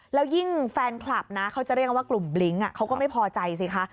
แล้วยิ่งแฟนคลับนะเขาจะเรียกว่ากลุ่มบลิ้งเขาก็ไม่พอใจสิคะ